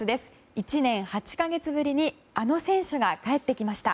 １年８か月ぶりにあの選手が帰ってきました。